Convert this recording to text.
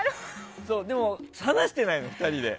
でも話してないのよ、２人で。